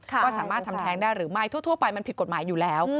ว่าสามารถทำแท้งได้หรือไม่ทั่วไปมันผิดกฎหมายอยู่แล้ว